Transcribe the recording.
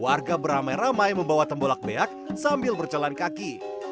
warga beramai ramai membawa tembolak beak sambil berjalan kaki